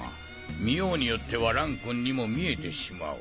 見ようによっては蘭君にも見えてしまう。